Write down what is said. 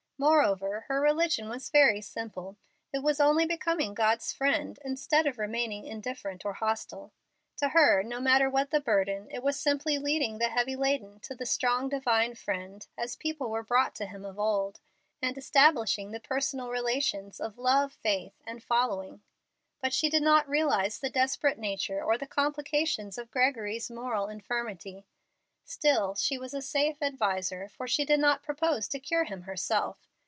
Moreover, her religion was very simple. It was only becoming God's friend, instead of remaining indifferent or hostile. To her, no matter what the burden, it was simply leading the heavy laden to the strong Divine Friend as people were brought to Him of old, and establishing the personal relations of love, faith, and following. But she did not realize the desperate nature or the complications of Gregory's moral infirmity. Still she was a safe adviser, for she did not propose to cure him herself.